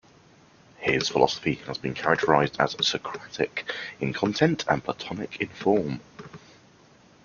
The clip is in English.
His philosophy has been characterized as Socratic in content and Platonic in form.